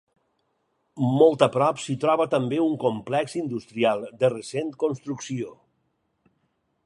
Molt a prop s'hi troba també un complex industrial de recent construcció.